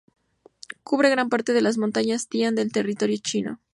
Cubre gran parte de las montañas Tian en territorio chino.